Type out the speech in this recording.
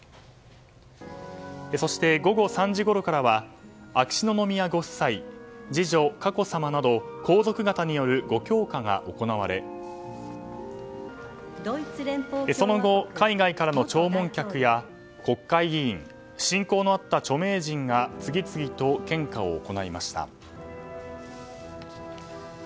そして、午後３時ごろからは秋篠宮ご夫妻次女・佳子さまなど皇族方によるご供花が行われその後、海外からの弔問客や国会議員親交のあった著名人が次々と献花を行いました。